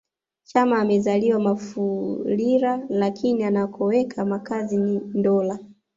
Chama amezaliwa Mufulira lakini anakoweka makazi ni Ndola